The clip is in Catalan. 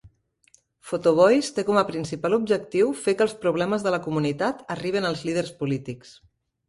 Photovoice té com a principal objectiu fer que els problemes de la comunitat arribin als líders polítics.